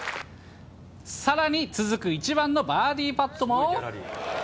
さらに続く１番のバーディーパットも。